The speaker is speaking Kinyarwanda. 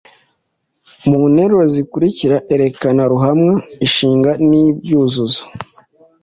Mu nteruro zikurikira erekana ruhamwa, inshinga n’ibyuzuzo.